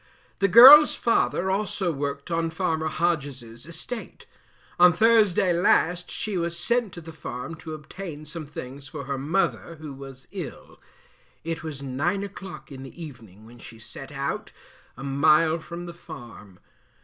The girl's father also worked on farmer Hodges's estate. On Thursday last she was sent to the farm to obtain some things for her mother, who was ill; it was 9 o'clock in the evening when she set out, a mile from the farm.